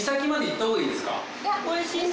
いや。